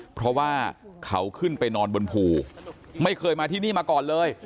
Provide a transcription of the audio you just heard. เพราะว่าเขาขึ้นไปนอนบนภูไม่เคยมาที่นี่มาก่อนเลย